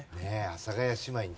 阿佐ヶ谷姉妹に。